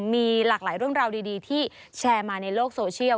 มีหลากหลายเรื่องราวดีที่แชร์มาในโลกโซเชียล